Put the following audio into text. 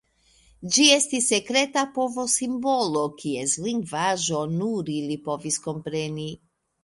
Ĝi estis sekreta povo-simbolo kies lingvaĵo nur ili povis kompreni.